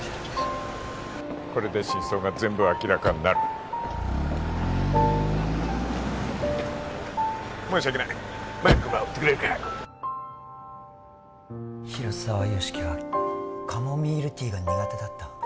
これで真相が全部明らかになる申し訳ない前の車追ってくれるかい「広沢由樹はカモミールティーが苦手だった」